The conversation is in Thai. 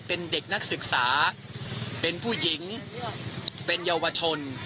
เป็นเด็กนักศึกษาเป็นผู้หญิงเป็นเยาวชน